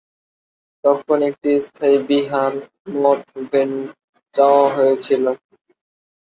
তখন একটি স্থায়ী বিহার/মঠ ভেন্যু চাওয়া হয়েছিল।